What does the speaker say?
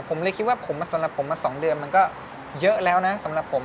ผมเลยคิดว่าผมสำหรับผมมา๒เดือนมันก็เยอะแล้วนะสำหรับผม